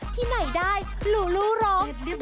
ที่ไหนได้หลูร้อง